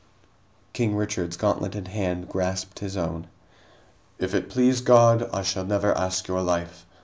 King Richard's gauntleted hand grasped his own. "If it please God, I shall never ask your life.